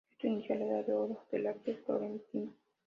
Esto inició la Edad de Oro del arte florentino.